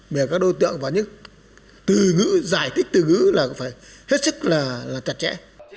để các đối tượng vào những từ ngữ giải thích từ ngữ là phải hết sức là chặt chẽ